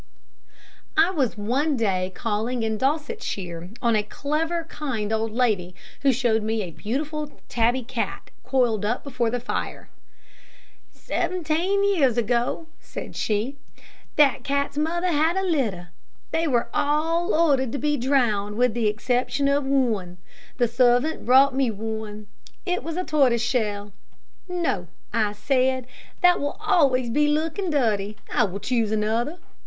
I was one day calling in Dorsetshire on a clever, kind old lady, who showed me a beautiful tabby cat, coiled up before the fire. "Seventeen years ago," said she, "that cat's mother had a litter. They were all ordered to be drowned with the exception of one. The servant brought me one. It was a tortoise shell. `No,' I said; `that will always be looking dirty. I will choose another.'